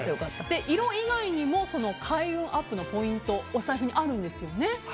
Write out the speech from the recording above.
色以外にも開運アップのポイントお財布にあるんですよね。